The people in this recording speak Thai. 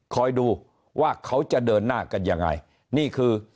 คอยดูว่าเขาจะเดินหน้ากันยังไงนี่คือ